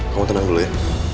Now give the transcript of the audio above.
kamu tenang dulu ya